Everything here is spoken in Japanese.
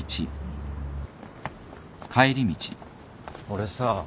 俺さ。